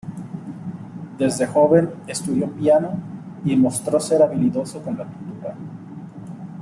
Desde joven estudió piano y mostró ser habilidoso con la pintura.